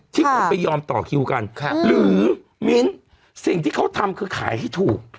ที่คุณไปยอมต่อคิวกันหรือมิ้นสิ่งที่เขาทำคือขายให้ถูก